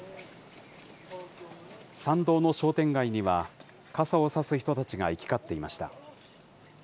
参道の商店街には、傘を差す人たちが行き交っていました。